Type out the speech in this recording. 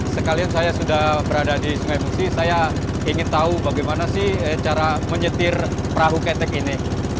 saya ingin tahu bagaimana cara menyetir perahu ketek ini